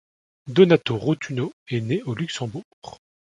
Donato Rotunno est né au Luxembourg.